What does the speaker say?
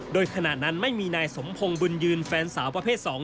โดยขณะนั้นไม่มีนายสมพงศ์บุญยืนแฟนสาวประเภท๒